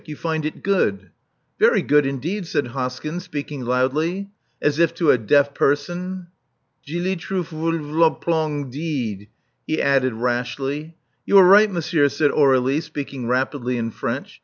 You find it goodh." "Very good indeed," said Hoskyn, speaking loudly, as if to a deaf person. "Jilitroovsplongdeed," he added rashly. "You are right, monsieur," said Aurdlie, speaking rapidly in French.